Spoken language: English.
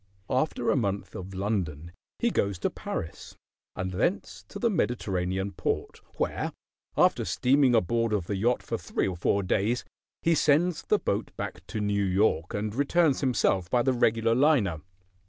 After a month of London he goes to Paris, and thence to the Mediterranean port, where, after steaming aboard of the yacht for three or four days, he sends the boat back to New York and returns himself by the regular liner.